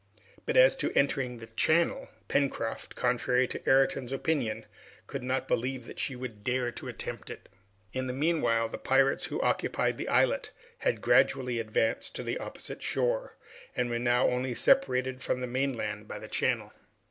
But as to entering the channel, Pencroft, contrary to Ayrton's opinion, could not believe that she would dare to attempt it. In the meanwhile, the pirates who occupied the islet had gradually advanced to the opposite shore, and were now only separated from the mainland by the channel.